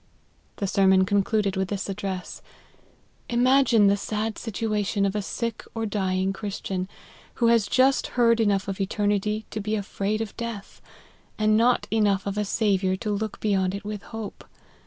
The sermon concluded with this address : 4 'Imagine the sad situation of a sick or dying Christian, who has just heard enough of eternity to be afraid of death, and not enough of a Saviour to look beyond it with hope.